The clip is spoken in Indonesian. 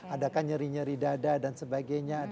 adakah nyeri nyeri dada dan sebagainya